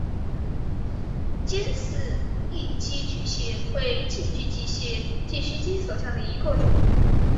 尖刺异寄居蟹为寄居蟹科异寄居蟹属下的一个种。